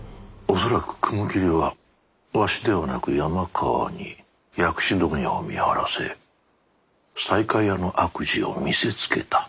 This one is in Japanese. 恐らく雲霧はわしではなく山川に薬種問屋を見張らせ西海屋の悪事を見せつけた。